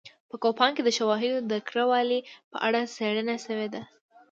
په کوپان کې د شواهدو د کره والي په اړه څېړنه شوې ده